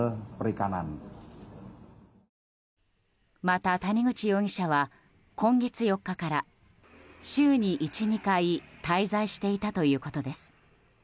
また、谷口容疑者は今月４日から週に１２回滞在していたということです。